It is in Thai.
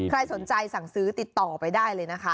ใครสนใจสั่งซื้อติดต่อไปได้เลยนะคะ